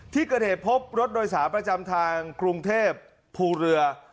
ที่เกิดเหตุพบรถโดยสารประจำทางกรุงเทพภูเรือ